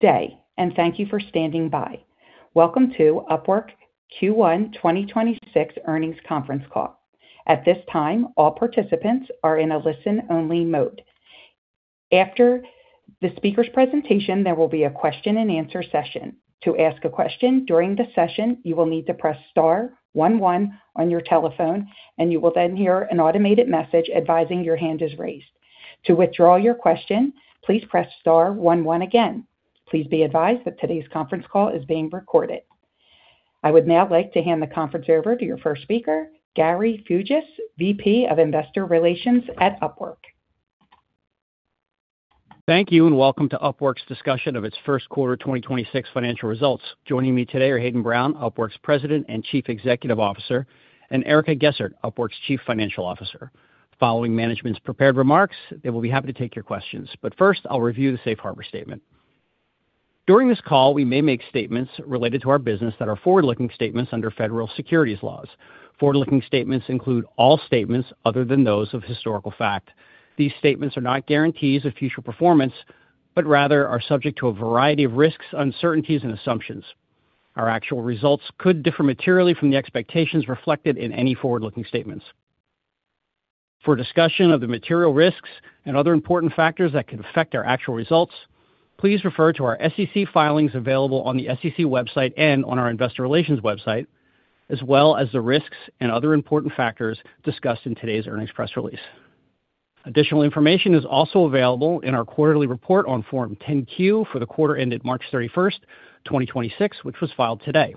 Day, thank you for standing by. Welcome to Upwork Q1 2026 earnings conference call. At this time, all participants are in a listen-only mode. After the speaker's presentation, there will be a question and answer session. To ask a question during the session, you will need to press star one one on your telephone and you will then hear an automated message advising your hand is raised. To withdraw your question, please press star one one again. Please be advised that today's conference call is being recorded. I would now like to hand the conference over to your first speaker, Gary Fuges, VP of Investor Relations at Upwork. Thank you, and welcome to Upwork's discussion of its first quarter 2026 financial results. Joining me today are Hayden Brown, Upwork's President and Chief Executive Officer, and Erica Gessert, Upwork's Chief Financial Officer. Following management's prepared remarks, they will be happy to take your questions. First, I'll review the safe harbor statement. During this call, we may make statements related to our business that are forward-looking statements under federal securities laws. Forward-looking statements include all statements other than those of historical fact. These statements are not guarantees of future performance, but rather are subject to a variety of risks, uncertainties and assumptions. Our actual results could differ materially from the expectations reflected in any forward-looking statements. For a discussion of the material risks and other important factors that could affect our actual results, please refer to our SEC filings available on the SEC website and on our investor relations website, as well as the risks and other important factors discussed in today's earnings press release. Additional information is also available in our quarterly report on Form 10-Q for the quarter ended March 31st, 2026, which was filed today.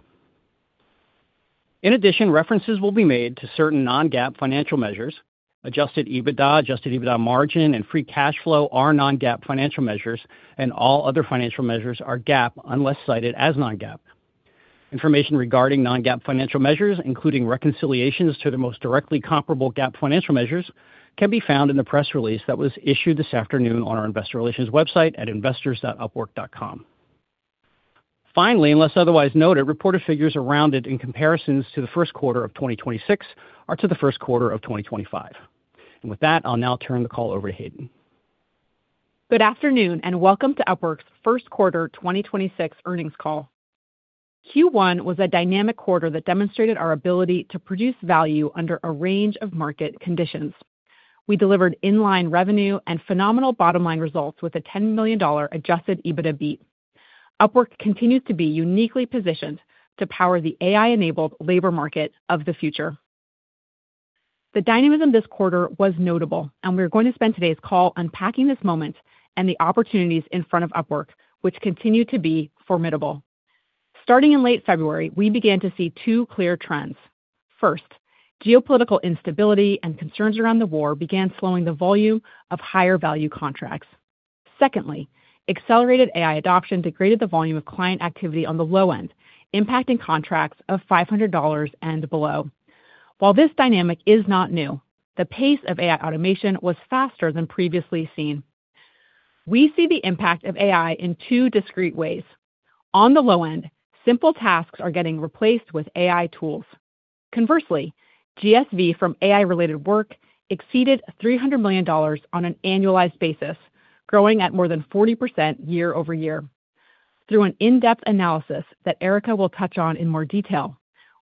In addition, references will be made to certain non-GAAP financial measures, adjusted EBITDA, adjusted EBITDA margin, and free cash flow are non-GAAP financial measures, and all other financial measures are GAAP unless cited as non-GAAP. Information regarding non-GAAP financial measures, including reconciliations to the most directly comparable GAAP financial measures, can be found in the press release that was issued this afternoon on our investor relations website at investors.upwork.com. Finally, unless otherwise noted, reported figures are rounded, and comparisons to the first quarter of 2026 are to the first quarter of 2025. With that, I'll now turn the call over to Hayden. Good afternoon, and welcome to Upwork's first quarter 2026 earnings call. Q1 was a dynamic quarter that demonstrated our ability to produce value under a range of market conditions. We delivered in-line revenue and phenomenal bottom-line results with a $10 million adjusted EBITDA beat. Upwork continues to be uniquely positioned to power the AI-enabled labor market of the future. The dynamism this quarter was notable, and we're going to spend today's call unpacking this moment and the opportunities in front of Upwork, which continue to be formidable. Starting in late February, we began to see two clear trends. First, geopolitical instability and concerns around the war began slowing the volume of higher value contracts. Secondly, accelerated AI adoption degraded the volume of client activity on the low end, impacting contracts of $500 and below. While this dynamic is not new, the pace of AI automation was faster than previously seen. We see the impact of AI in two discrete ways. On the low end, simple tasks are getting replaced with AI tools. Conversely, GSV from AI-related work exceeded $300 million on an annualized basis, growing at more than 40% year over year. Through an in-depth analysis that Erica will touch on in more detail,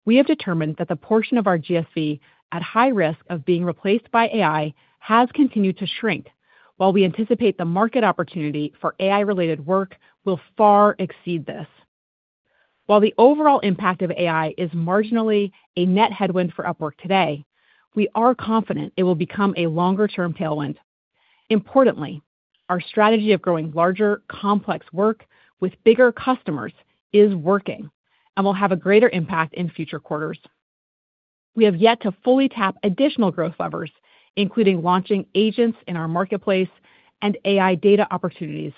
we have determined that the portion of our GSV at high risk of being replaced by AI has continued to shrink, while we anticipate the market opportunity for AI-related work will far exceed this. While the overall impact of AI is marginally a net headwind for Upwork today, we are confident it will become a longer-term tailwind. Importantly, our strategy of growing larger, complex work with bigger customers is working and will have a greater impact in future quarters. We have yet to fully tap additional growth levers, including launching agents in our Marketplace and AI data opportunities.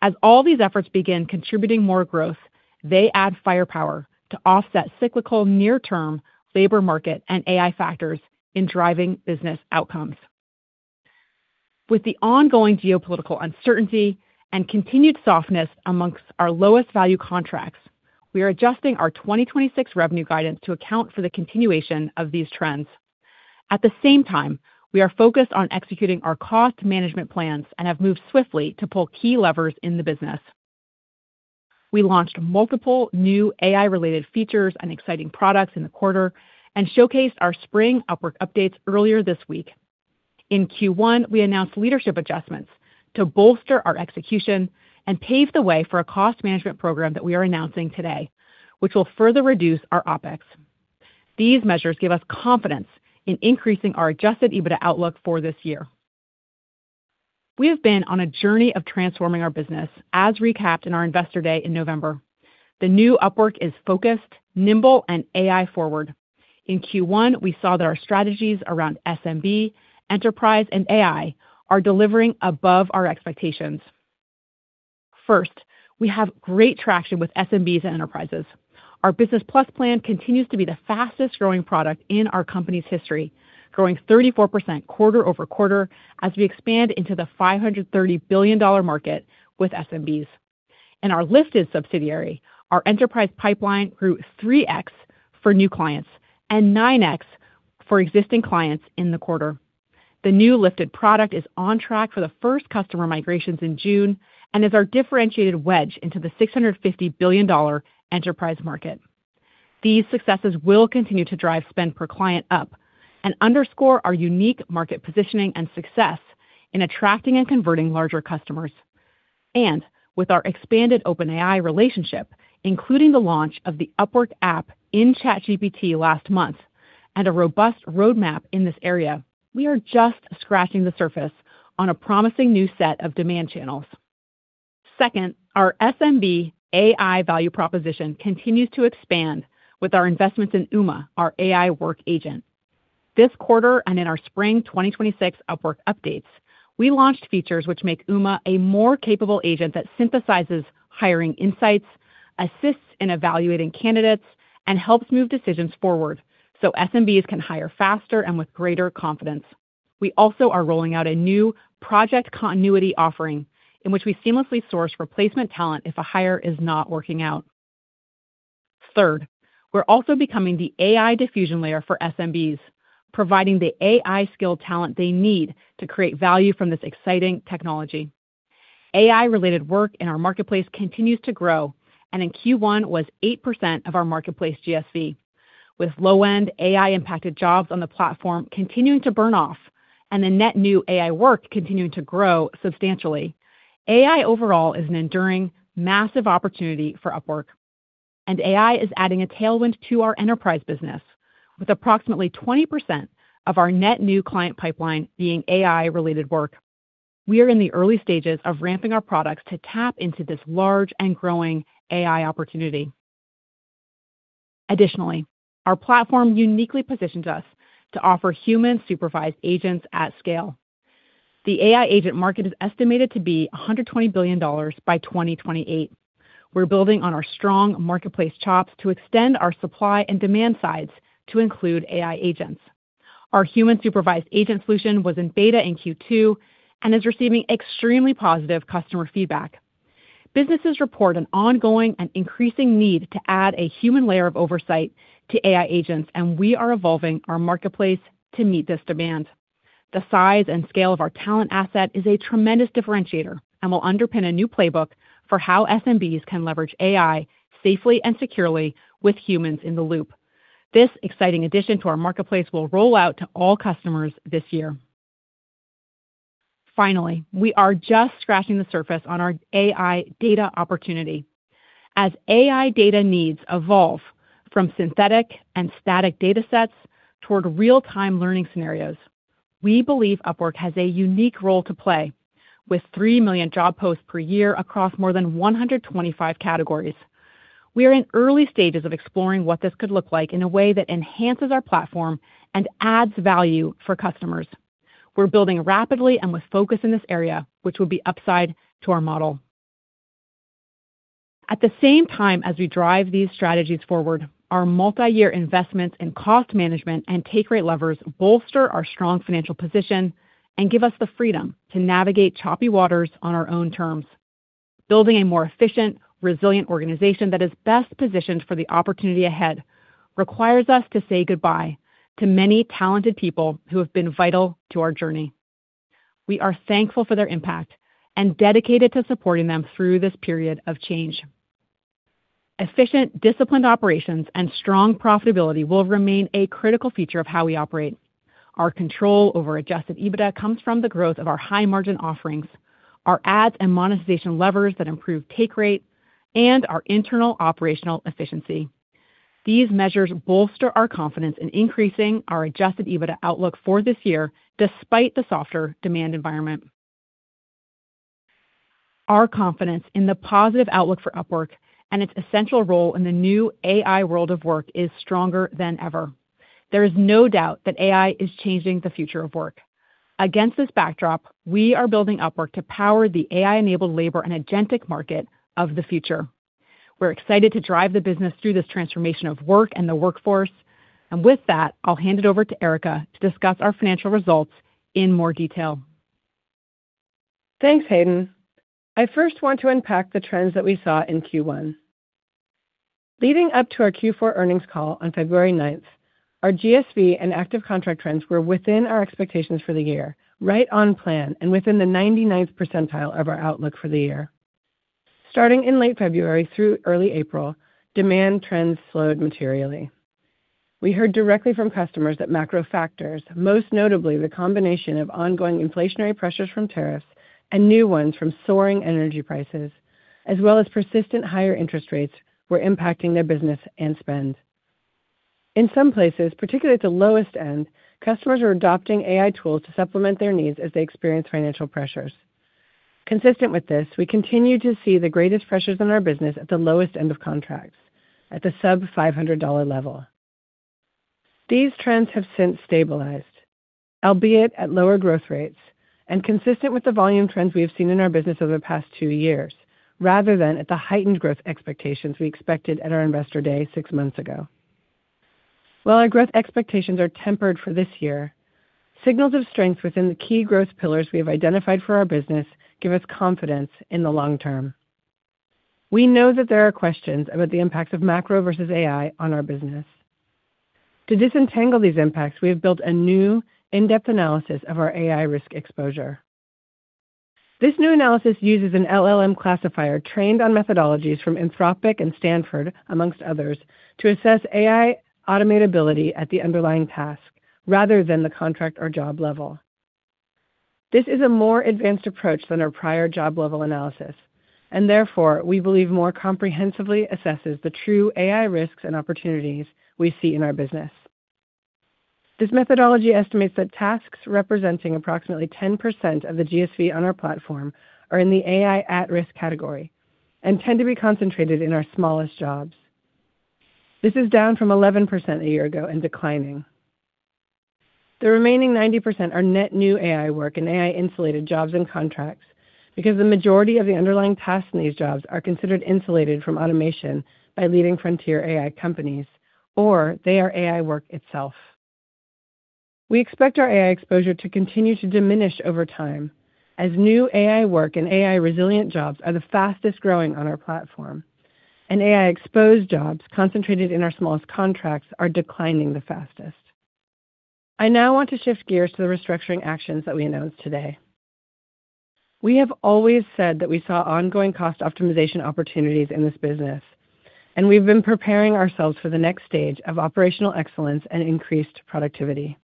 As all these efforts begin contributing more growth, they add firepower to offset cyclical near-term labor market and AI factors in driving business outcomes. With the ongoing geopolitical uncertainty and continued softness amongst our lowest value contracts, we are adjusting our 2026 revenue guidance to account for the continuation of these trends. At the same time, we are focused on executing our cost management plans and have moved swiftly to pull key levers in the business. We launched multiple new AI-related features and exciting products in the quarter and showcased our spring Upwork updates earlier this week. In Q1, we announced leadership adjustments to bolster our execution and pave the way for a cost management program that we are announcing today, which will further reduce our OpEx. These measures give us confidence in increasing our adjusted EBITDA outlook for this year. We have been on a journey of transforming our business, as recapped in our Investor Day in November. The new Upwork is focused, nimble and AI-forward. In Q1, we saw that our strategies around SMB, enterprise and AI are delivering above our expectations. First, we have great traction with SMBs and enterprises. Our Business Plus plan continues to be the fastest-growing product in our company's history, growing 34% quarter-over-quarter as we expand into the $530 billion market with SMBs. In our Lifted subsidiary, our enterprise pipeline grew 3x for new clients and 9x for existing clients in the quarter. The new Lifted product is on track for the first customer migrations in June and is our differentiated wedge into the $650 billion enterprise market. These successes will continue to drive spend per client up and underscore our unique market positioning and success in attracting and converting larger customers. With our expanded OpenAI relationship, including the launch of the Upwork app in ChatGPT last month and a robust roadmap in this area, we are just scratching the surface on a promising new set of demand channels. Second, our SMB AI value proposition continues to expand with our investments in Uma, our AI work agent. This quarter and in our spring 2026 Upwork updates, we launched features which make Uma a more capable agent that synthesizes hiring insights, assists in evaluating candidates, and helps move decisions forward so SMBs can hire faster and with greater confidence. We also are rolling out a new project continuity offering in which we seamlessly source replacement talent if a hire is not working out. Third, we're also becoming the AI diffusion layer for SMBs, providing the AI skill talent they need to create value from this exciting technology. AI-related work in our marketplace continues to grow, and in Q1 was 8% of our marketplace GSV, with low-end AI-impacted jobs on the platform continuing to burn off and the net new AI work continuing to grow substantially. AI overall is an enduring massive opportunity for Upwork, and AI is adding a tailwind to our enterprise business with approximately 20% of our net new client pipeline being AI-related work. We are in the early stages of ramping our products to tap into this large and growing AI opportunity. Additionally, our platform uniquely positions us to offer human-supervised agents at scale. The AI agent market is estimated to be $120 billion by 2028. We're building on our strong marketplace chops to extend our supply and demand sides to include AI agents. Our human-supervised agent solution was in beta in Q2 and is receiving extremely positive customer feedback. Businesses report an ongoing and increasing need to add a human layer of oversight to AI agents, and we are evolving our marketplace to meet this demand. The size and scale of our talent asset is a tremendous differentiator and will underpin a new playbook for how SMBs can leverage AI safely and securely with humans in the loop. This exciting addition to our marketplace will roll out to all customers this year. Finally, we are just scratching the surface on our AI data opportunity. As AI data needs evolve from synthetic and static datasets toward real-time learning scenarios, we believe Upwork has a unique role to play with 3 million job posts per year across more than 125 categories. We are in early stages of exploring what this could look like in a way that enhances our platform and adds value for customers. We're building rapidly and with focus in this area, which will be upside to our model. At the same time as we drive these strategies forward, our multi-year investments in cost management and take rate levers bolster our strong financial position and give us the freedom to navigate choppy waters on our own terms. Building a more efficient, resilient organization that is best positioned for the opportunity ahead requires us to say goodbye to many talented people who have been vital to our journey. We are thankful for their impact and dedicated to supporting them through this period of change. Efficient, disciplined operations and strong profitability will remain a critical feature of how we operate. Our control over adjusted EBITDA comes from the growth of our high-margin offerings, our ads and monetization levers that improve take rate, and our internal operational efficiency. These measures bolster our confidence in increasing our adjusted EBITDA outlook for this year despite the softer demand environment. Our confidence in the positive outlook for Upwork and its essential role in the new AI world of work is stronger than ever. There is no doubt that AI is changing the future of work. Against this backdrop, we are building Upwork to power the AI-enabled labor and agentic market of the future. We're excited to drive the business through this transformation of work and the workforce. With that, I'll hand it over to Erica to discuss our financial results in more detail. Thanks, Hayden. I first want to unpack the trends that we saw in Q1. Leading up to our Q4 earnings call on February 9, our GSV and active contract trends were within our expectations for the year, right on plan and within the 99th percentile of our outlook for the year. Starting in late February through early April, demand trends slowed materially. We heard directly from customers that macro factors, most notably the combination of ongoing inflationary pressures from tariffs and new ones from soaring energy prices, as well as persistent higher interest rates, were impacting their business and spend. In some places, particularly at the lowest end, customers are adopting AI tools to supplement their needs as they experience financial pressures. Consistent with this, we continue to see the greatest pressures on our business at the lowest end of contracts at the sub $500 level. These trends have since stabilized, albeit at lower growth rates and consistent with the volume trends we have seen in our business over the past two years, rather than at the heightened growth expectations we expected at our investor day six months ago. While our growth expectations are tempered for this year, signals of strength within the key growth pillars we have identified for our business give us confidence in the long term. We know that there are questions about the impacts of macro versus AI on our business. To disentangle these impacts, we have built a new in-depth analysis of our AI risk exposure. This new analysis uses an LLM classifier trained on methodologies from Anthropic and Stanford, amongst others, to assess AI automatability at the underlying task rather than the contract or job level. This is a more advanced approach than our prior job-level analysis, and therefore we believe more comprehensively assesses the true AI risks and opportunities we see in our business. This methodology estimates that tasks representing approximately 10% of the GSV on our platform are in the AI at-risk category and tend to be concentrated in our smallest jobs. This is down from 11% a year ago and declining. The remaining 90% are net new AI work and AI-insulated jobs and contracts because the majority of the underlying tasks in these jobs are considered insulated from automation by leading frontier AI companies, or they are AI work itself. We expect our AI exposure to continue to diminish over time as new AI work and AI-resilient jobs are the fastest-growing on our platform, and AI-exposed jobs concentrated in our smallest contracts are declining the fastest. I now want to shift gears to the restructuring actions that we announced today. We have always said that we saw ongoing cost optimization opportunities in this business. We've been preparing ourselves for the next stage of operational excellence and increased productivity.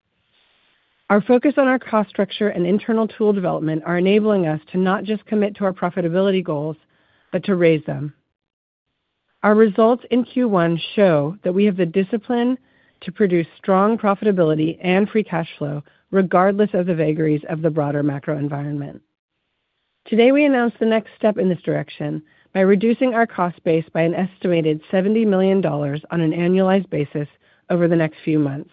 Our focus on our cost structure and internal tool development are enabling us to not just commit to our profitability goals but to raise them. Our results in Q1 show that we have the discipline to produce strong profitability and free cash flow regardless of the vagaries of the broader macro environment. Today, we announced the next step in this direction by reducing our cost base by an estimated $70 million on an annualized basis over the next few months.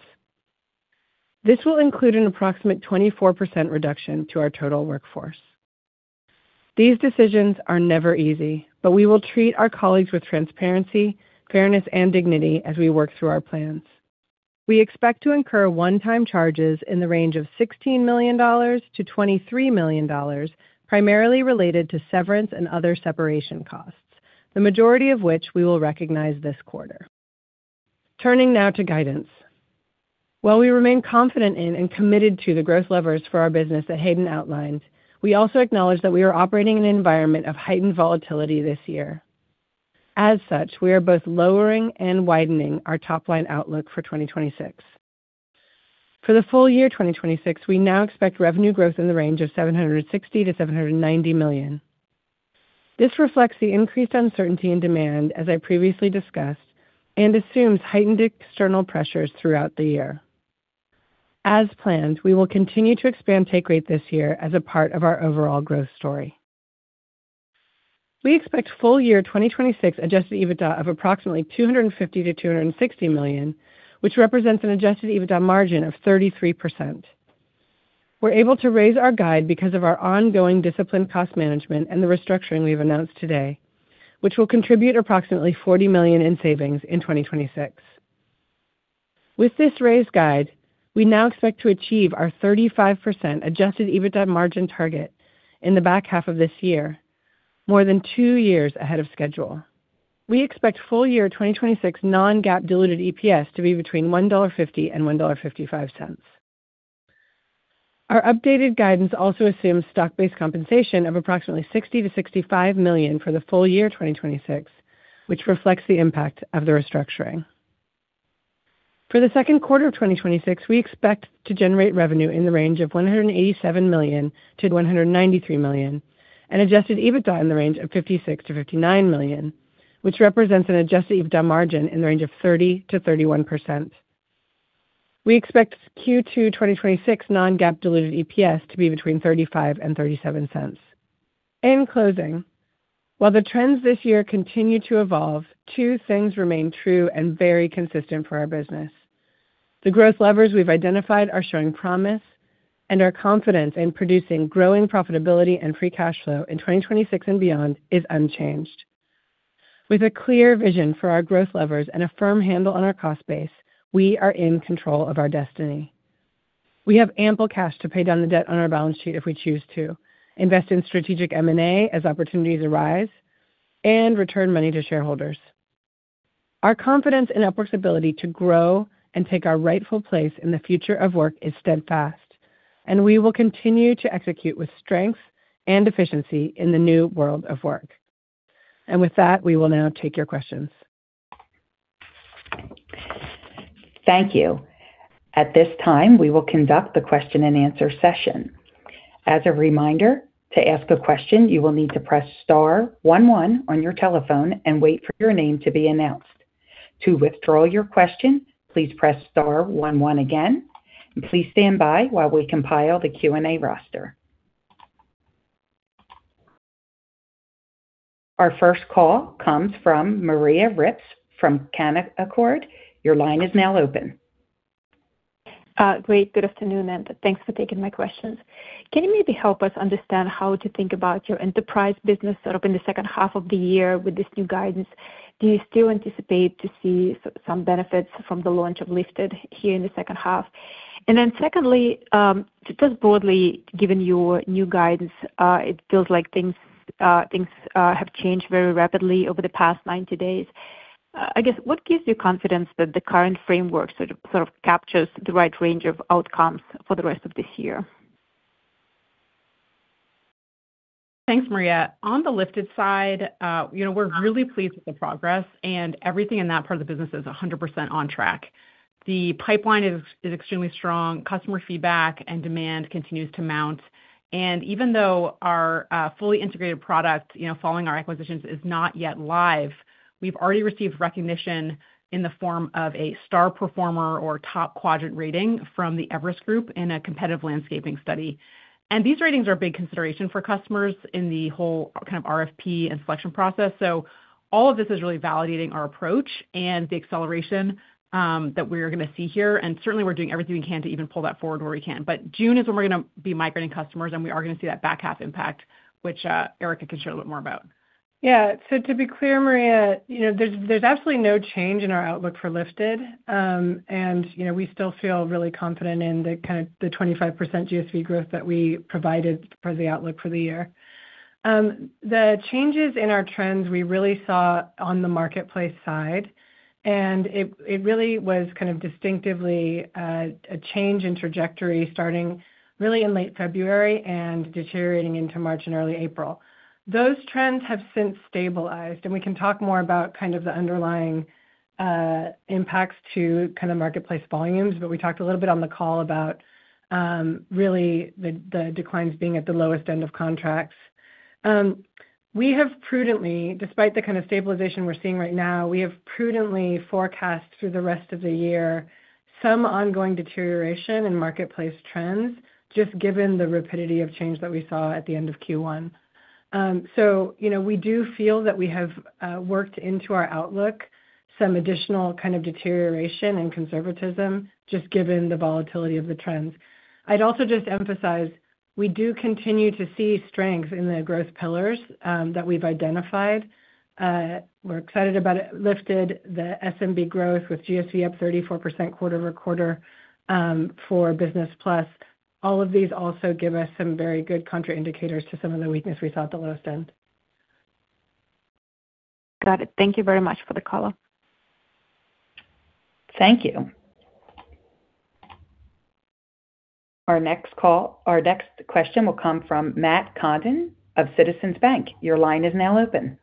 This will include an approximate 24% reduction to our total workforce. These decisions are never easy, but we will treat our colleagues with transparency, fairness, and dignity as we work through our plans. We expect to incur one-time charges in the range of $16 million-$23 million, primarily related to severance and other separation costs, the majority of which we will recognize this quarter. Turning now to guidance. While we remain confident in and committed to the growth levers for our business that Hayden outlined, we also acknowledge that we are operating in an environment of heightened volatility this year. As such, we are both lowering and widening our top-line outlook for 2026. For the full year 2026, we now expect revenue growth in the range of $760 million-$790 million. This reflects the increased uncertainty in demand, as I previously discussed, and assumes heightened external pressures throughout the year. As planned, we will continue to expand take rate this year as a part of our overall growth story. We expect full-year 2026 adjusted EBITDA of approximately $250 million-$260 million, which represents an adjusted EBITDA margin of 33%. We're able to raise our guide because of our ongoing disciplined cost management and the restructuring we've announced today, which will contribute approximately $40 million in savings in 2026. With this raised guide, we now expect to achieve our 35% adjusted EBITDA margin target in the back half of this year, more than two years ahead of schedule. We expect full-year 2026 non-GAAP diluted EPS to be between $1.50 and $1.55. Our updated guidance also assumes stock-based compensation of approximately $60 million-$65 million for the full year 2026, which reflects the impact of the restructuring. For the second quarter of 2026, we expect to generate revenue in the range of $187 million-$193 million and adjusted EBITDA in the range of $56 million-$59 million, which represents an adjusted EBITDA margin in the range of 30%-31%. We expect Q2 2026 non-GAAP diluted EPS to be between $0.35 and $0.37. In closing, while the trends this year continue to evolve, two things remain true and very consistent for our business. The growth levers we've identified are showing promise, and our confidence in producing growing profitability and free cash flow in 2026 and beyond is unchanged. With a clear vision for our growth levers and a firm handle on our cost base, we are in control of our destiny. We have ample cash to pay down the debt on our balance sheet if we choose to, invest in strategic M&A as opportunities arise, and return money to shareholders. Our confidence in Upwork's ability to grow and take our rightful place in the future of work is steadfast, and we will continue to execute with strength and efficiency in the new world of work. With that, we will now take your questions. Thank you. At this time, we will conduct the question-and-answer session. As a reminder, to ask a question, you will need to press star one one on your telephone and wait for your name to be announced. To withdraw your question, please press star one one again. Please stand by while we compile the Q&A roster. Our first call comes from Maria Ripps from Canaccord. Your line is now open. Great. Good afternoon, and thanks for taking my questions. Can you maybe help us understand how to think about your enterprise business sort of in the second half of the year with this new guidance. Do you still anticipate to see some benefits from the launch of Lifted here in the second half? Secondly, just broadly, given your new guidance, it feels like things have changed very rapidly over the past 90 days. I guess what gives you confidence that the current framework sort of captures the right range of outcomes for the rest of this year? Thanks, Maria. On the Lifted side, you know, we're really pleased with the progress, and everything in that part of the business is 100% on track. The pipeline is extremely strong. Customer feedback and demand continues to mount. Even though our fully integrated product, you know, following our acquisitions is not yet live, we've already received recognition in the form of a star performer or top quadrant rating from the Everest Group in a competitive landscaping study. These ratings are a big consideration for customers in the whole kind of RFP and selection process. All of this is really validating our approach and the acceleration that we're gonna see here. Certainly, we're doing everything we can to even pull that forward where we can. June is when we're gonna be migrating customers, and we are gonna see that back half impact, which, Erica can share a little bit more about. To be clear, Maria, you know, there's absolutely no change in our outlook for Lifted. You know, we still feel really confident in the kinda the 25% GSV growth that we provided for the outlook for the year. The changes in our trends, we really saw on the marketplace side, and it really was kind of distinctively, a change in trajectory starting really in late February and deteriorating into March and early April. Those trends have since stabilized, and we can talk more about kind of the underlying, impacts to kinda marketplace volumes, but we talked a little bit on the call about, really the declines being at the lowest end of contracts. We have prudently, despite the kind of stabilization we're seeing right now, we have prudently forecast through the rest of the year some ongoing deterioration in marketplace trends, just given the rapidity of change that we saw at the end of Q1. You know, we do feel that we have worked into our outlook some additional kind of deterioration and conservatism, just given the volatility of the trends. I'd also just emphasize, we do continue to see strength in the growth pillars that we've identified. we're excited about Lifted, the SMB growth with GSV up 34% quarter-over-quarter for Business Plus. All of these also give us some very good contra indicators to some of the weakness we saw at the lowest end. Got it. Thank you very much for the color. Thank you. Our next question will come from Matt Condon of Citizens Bank. Your line is now open.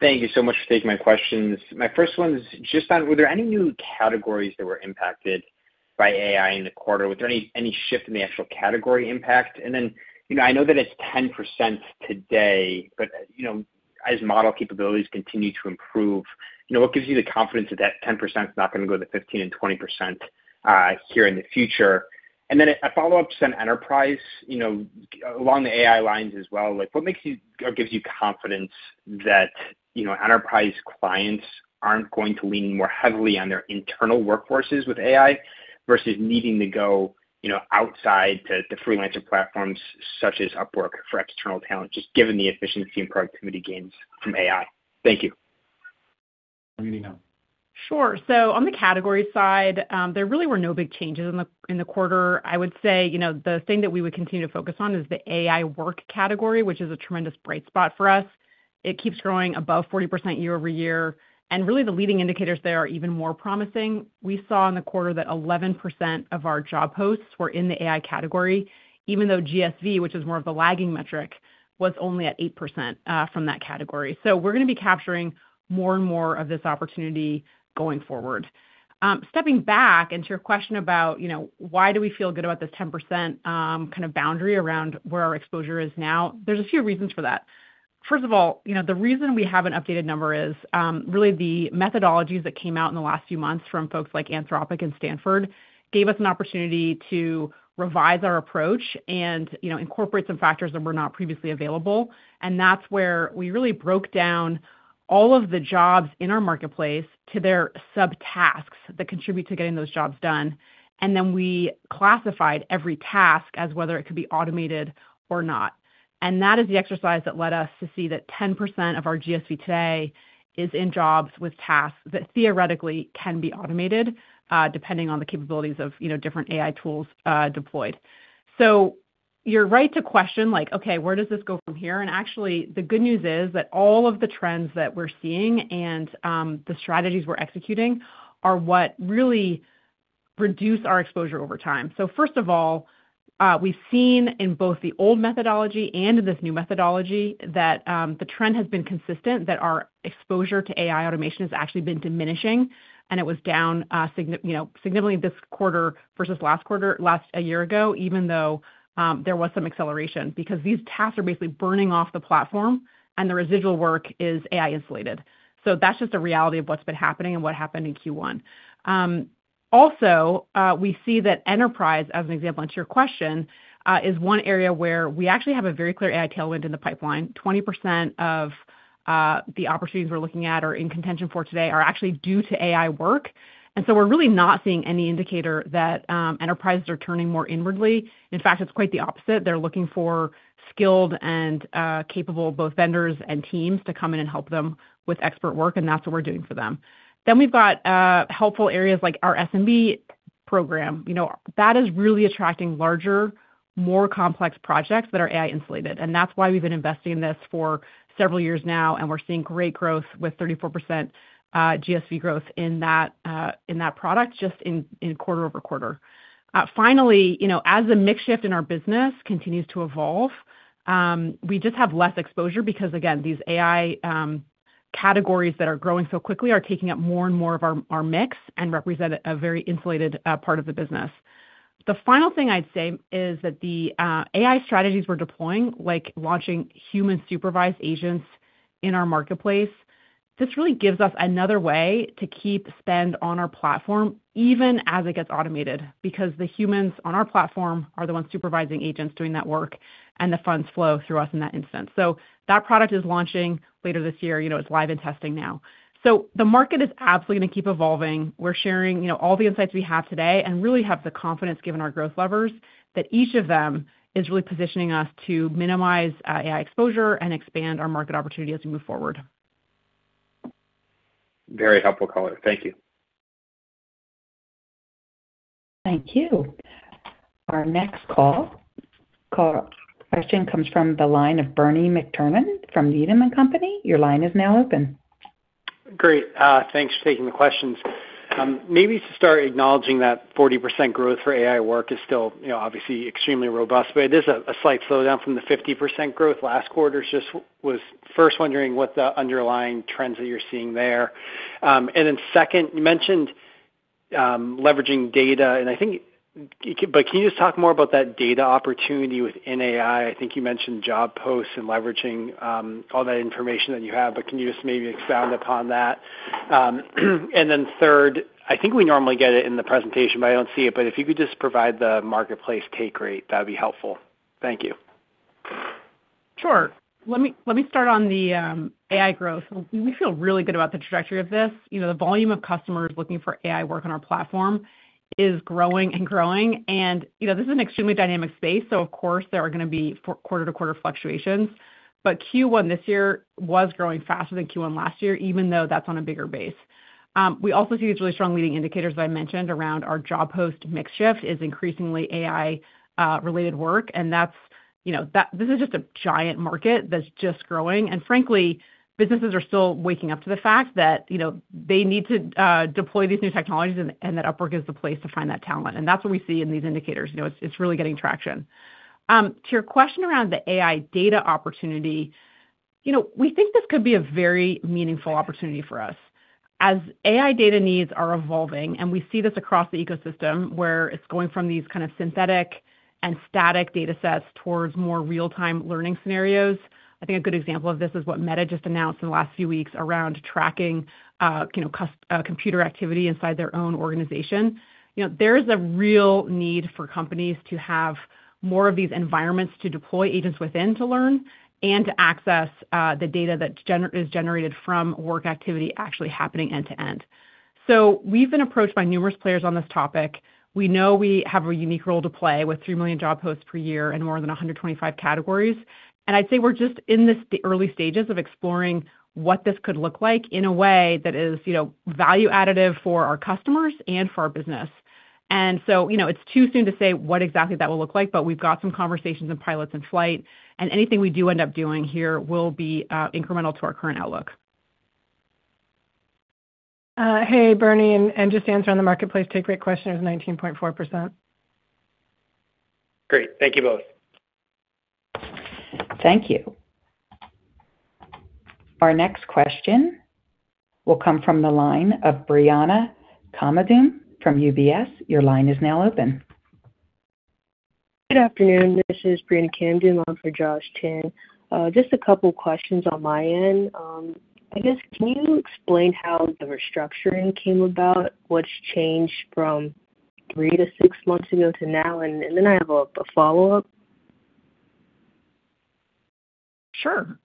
Thank you so much for taking my questions. My first one is just on, were there any new categories that were impacted by AI in the quarter? Was there any shift in the actual category impact? You know, I know that it's 10% today, but, you know, as model capabilities continue to improve, you know, what gives you the confidence that that 10% is not gonna go to 15% and 20%, here in the future? A follow-up to some enterprise, you know, along the AI lines as well. Like, what makes you or gives you confidence that, you know, enterprise clients aren't going to lean more heavily on their internal workforces with AI versus needing to go, you know, outside to the freelancer platforms such as Upwork for external talent, just given the efficiency and productivity gains from AI? Thank you. Sure. On the category side, there really were no big changes in the quarter. I would say, you know, the thing that we would continue to focus on is the AI work category, which is a tremendous bright spot for us. It keeps growing above 40% year-over-year, and really the leading indicators there are even more promising. We saw in the quarter that 11% of our job posts were in the AI category, even though GSV, which is more of the lagging metric, was only at 8% from that category. We're gonna be capturing more and more of this opportunity going forward. Stepping back into your question about, you know, why do we feel good about this 10% kind of boundary around where our exposure is now, there's a few reasons for that. First of all, you know, the reason we have an updated number is, really the methodologies that came out in the last few months from folks like Anthropic and Stanford gave us an opportunity to revise our approach and, you know, incorporate some factors that were not previously available. That's where we really broke down all of the jobs in our marketplace to their subtasks that contribute to getting those jobs done. Then we classified every task as whether it could be automated or not. That is the exercise that led us to see that 10% of our GSV today is in jobs with tasks that theoretically can be automated, depending on the capabilities of, you know, different AI tools, deployed. You're right to question, like, okay, where does this go from here? Actually, the good news is that all of the trends that we're seeing and the strategies we're executing are what really reduce our exposure over time. First of all, we've seen in both the old methodology and in this new methodology that the trend has been consistent, that our exposure to AI automation has actually been diminishing, and it was down significantly this quarter versus last quarter, a year ago, even though there was some acceleration. Because these tasks are basically burning off the platform, and the residual work is AI insulated. That's just a reality of what's been happening and what happened in Q1. Also, we see that enterprise, as an example and to your question, is one area where we actually have a very clear AI tailwind in the pipeline. 20% of the opportunities we're looking at or in contention for today are actually due to AI work. We're really not seeing any indicator that enterprises are turning more inwardly. In fact, it's quite the opposite. They're looking for skilled and capable both vendors and teams to come in and help them with expert work, and that's what we're doing for them. We've got helpful areas like our SMB program, you know, that is really attracting larger, more complex projects that are AI insulated, and that's why we've been investing in this for several years now, and we're seeing great growth with 34% GSV growth in that product just in quarter-over-quarter. Finally, you know, as the mix shift in our business continues to evolve, we just have less exposure because again, these AI categories that are growing so quickly are taking up more and more of our mix and represent a very insulated part of the business. The final thing I'd say is that the AI strategies we're deploying, like launching human supervised agents in our marketplace, this really gives us another way to keep spend on our platform even as it gets automated, because the humans on our platform are the ones supervising agents doing that work and the funds flow through us in that instance. That product is launching later this year. You know, it's live in testing now. The market is absolutely gonna keep evolving. We're sharing, you know, all the insights we have today and really have the confidence given our growth levers that each of them is really positioning us to minimize, AI exposure and expand our market opportunity as we move forward. Very helpful color. Thank you. Thank you. Our next call question comes from the line of Bernie McTernan from Needham & Company. Your line is now open. Great. Thanks for taking the questions. Maybe to start acknowledging that 40% growth for AI work is still, you know, obviously extremely robust, but it is a slight slowdown from the 50% growth last quarter. Just was first wondering what the underlying trends that you're seeing there. Then second, you mentioned, leveraging data, and I think can you just talk more about that data opportunity within AI? I think you mentioned job posts and leveraging all that information that you have, but can you just maybe expound upon that? Then third, I think we normally get it in the presentation, but I don't see it, but if you could just provide the marketplace take rate, that'd be helpful. Thank you. Sure. Let me start on the AI growth. We feel really good about the trajectory of this. You know, the volume of customers looking for AI work on our platform is growing and growing, and you know, this is an extremely dynamic space, so of course there are gonna be quarter-to-quarter fluctuations. Q1 this year was growing faster than Q1 last year, even though that's on a bigger base. We also see these really strong leading indicators that I mentioned around our job post mix shift is increasingly AI related work, and that's, you know, this is just a giant market that's just growing. Frankly, businesses are still waking up to the fact that, you know, they need to deploy these new technologies and that Upwork is the place to find that talent, and that's what we see in these indicators. You know, it's really getting traction. To your question around the AI data opportunity, you know, we think this could be a very meaningful opportunity for us. As AI data needs are evolving, and we see this across the ecosystem, where it's going from these kind of synthetic and static datasets towards more real-time learning scenarios. I think a good example of this is what Meta just announced in the last few weeks around tracking, you know, computer activity inside their own organization. You know, there is a real need for companies to have more of these environments to deploy agents within to learn and to access the data that is generated from work activity actually happening end to end. We've been approached by numerous players on this topic. We know we have a unique role to play with 3 million job posts per year in more than 125 categories, and I'd say we're just in the early stages of exploring what this could look like in a way that is, you know, value additive for our customers and for our business. You know, it's too soon to say what exactly that will look like, but we've got some conversations and pilots in flight, and anything we do end up doing here will be incremental to our current outlook. Hey, Bernie, just to answer on the marketplace take rate question, it was 19.4%. Great. Thank you both. Thank you. Our next question will come from the line of Brianna Kamdoum from UBS. Your line is now open. Good afternoon. This is Brianna Kamdoum on for Josh Chan. Just a couple questions on my end. I guess can you explain how the restructuring came about? What's changed from three to six months ago to now? I have a follow-up. Sure.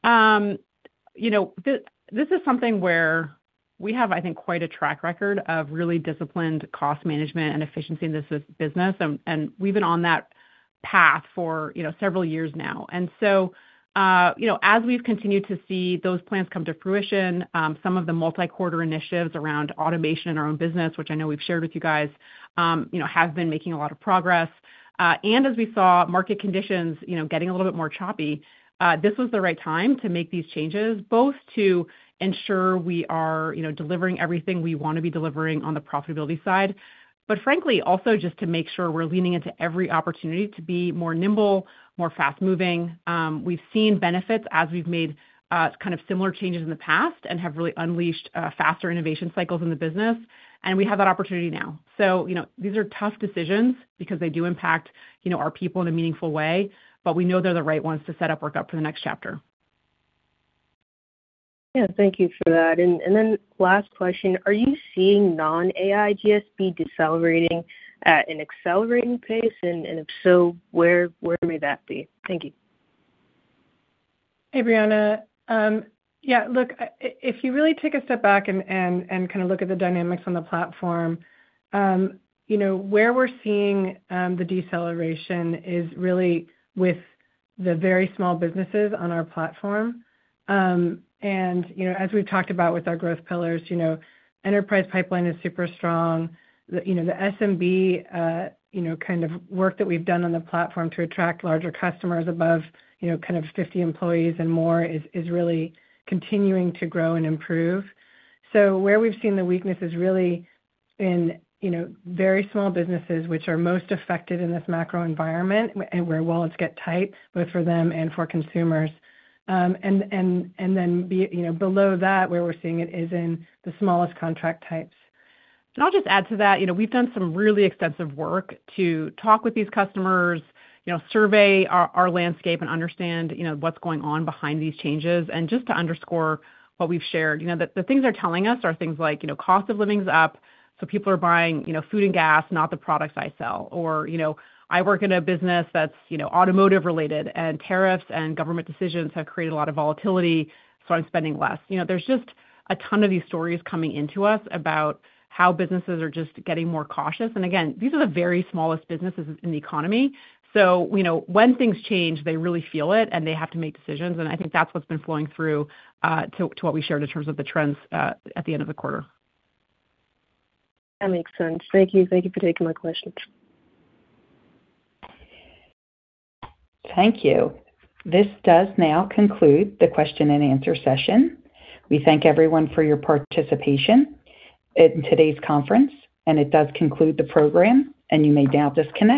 You know, this is something where we have, I think, quite a track record of really disciplined cost management and efficiency in this business, and we've been on that path for, you know, several years now. As we've continued to see those plans come to fruition, some of the multi-quarter initiatives around automation in our own business, which I know we've shared with you guys, you know, have been making a lot of progress. As we saw market conditions, you know, getting a little bit more choppy, this was the right time to make these changes, both to ensure we are, you know, delivering everything we wanna be delivering on the profitability side, but frankly, also just to make sure we're leaning into every opportunity to be more nimble, more fast-moving. We've seen benefits as we've made, kind of similar changes in the past and have really unleashed, faster innovation cycles in the business, and we have that opportunity now. You know, these are tough decisions because they do impact, you know, our people in a meaningful way, but we know they're the right ones to set Upwork up for the next chapter. Yeah. Thank you for that. Last question. Are you seeing non-AI GSV decelerating at an accelerating pace? If so, where may that be? Thank you. Hey, [Brianna]. Yeah, look, if you really take a step back and kinda look at the dynamics on the platform, you know, where we're seeing the deceleration is really with the very small businesses on our platform. You know, as we've talked about with our growth pillars, you know, enterprise pipeline is super strong. The, you know, the SMB, you know, kind of work that we've done on the platform to attract larger customers above, you know, kind of 50 employees and more is really continuing to grow and improve. Where we've seen the weakness is really in, you know, very small businesses, which are most affected in this macro environment where wallets get tight, both for them and for consumers. You know, below that, where we're seeing it is in the smallest contract types. I'll just add to that. You know, we've done some really extensive work to talk with these customers, you know, survey our landscape and understand, you know, what's going on behind these changes and just to underscore what we've shared. You know, the things they're telling us are things like, you know, cost of living's up, so people are buying, you know, food and gas, not the products I sell. You know, I work in a business that's, you know, automotive-related, and tariffs and government decisions have created a lot of volatility, so I'm spending less. You know, there's just a ton of these stories coming into us about how businesses are just getting more cautious. Again, these are the very smallest businesses in the economy. You know, when things change, they really feel it, and they have to make decisions, and I think that's what's been flowing through to what we shared in terms of the trends at the end of the quarter. That makes sense. Thank you. Thank you for taking my questions. Thank you. This does now conclude the question and answer session. We thank everyone for your participation in today's conference, and it does conclude the program, and you may now disconnect.